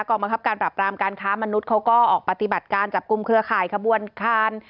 บังคับการปรับรามการค้ามนุษย์เขาก็ออกปฏิบัติการจับกลุ่มเครือข่ายขบวนคาร